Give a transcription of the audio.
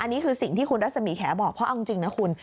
อันนี้คือสิ่งที่คุณรัศมีแขบอกเพราะเอาจริงนะคุณ